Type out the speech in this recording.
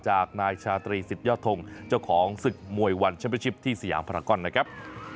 จากนายชาตรีสิทธิยอดทงเจ้าของศึกมวยวันเมชิปที่สยามพรากอนนะครับ